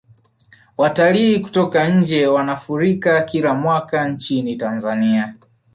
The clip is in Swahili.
watalii kutoka nje wanafurika kila mwaka nchini tanzania